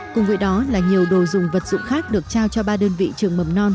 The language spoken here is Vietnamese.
cùng với đó là nhiều đồ dùng vật dụng khác được trao cho ba đơn vị trường mầm non